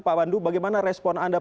pak pandu bagaimana respon anda